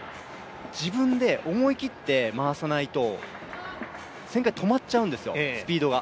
なので自分で思い切って回さないと、旋回が止まっちゃうんですよ、スピードが。